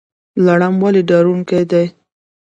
لړم ولې ډارونکی دی؟